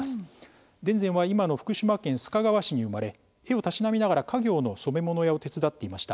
田善は今の福島県須賀川市に生まれ絵をたしなみながら家業の染物屋を手伝っていました。